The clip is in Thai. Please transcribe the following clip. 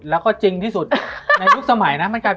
มันทำให้ชีวิตผู้มันไปไม่รอด